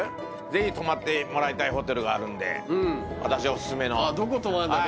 ぜひ泊まってもらいたいホテルがあるんで私おすすめのどこ泊まんだ？